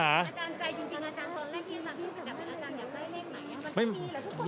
อาจารย์ใจจริงตอนเล่นที่มาพี่อาจารย์อยากได้เลขไหม